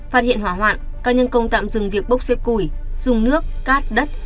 phát hiện hỏa hoạn các nhân công tạm dừng việc bốc xếp củi dùng nước cát đất